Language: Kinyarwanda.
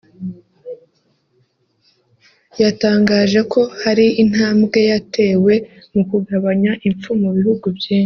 yatangaje ko hari intambwe yatewe mu kugabanya impfu mu bihugu byinshi